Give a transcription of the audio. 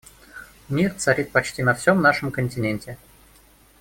Мир царит почти на всем нашем континенте.